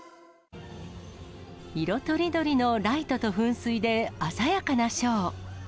色とりどりのライトと噴水で、鮮やかなショー。